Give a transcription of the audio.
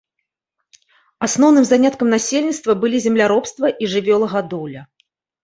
Асноўным заняткам насельніцтва былі земляробства і жывёлагадоўля.